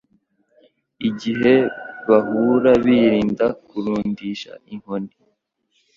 Igihe bahura birinda kurundisha inkoni,